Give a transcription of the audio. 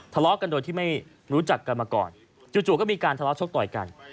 ทะเลาะกันโดยที่ไม่รู้จักกันมาก่อนจู่ก็มีการทะเลาะชกต่อยกัน